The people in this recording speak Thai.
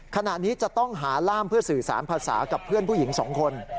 ขณะนี้จะต้องหาร่ามเพื่อสื่อสารภาษากับเพื่อนผู้หญิง๒คน